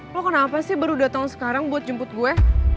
lo kenapa sih baru dateng sekarang buat jemput gue